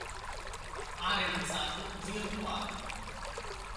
Ha realizzato "Virtuali.